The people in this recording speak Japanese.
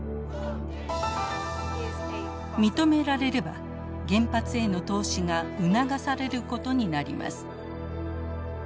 認められれば原発への投資が促されることになります。